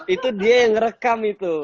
itu dia yang ngerekam itu